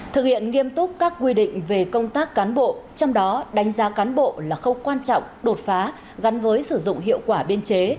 thực hiện nghiêm túc các quy định về công tác cán bộ trong đó đánh giá cán bộ là khâu quan trọng đột phá gắn với sử dụng hiệu quả biên chế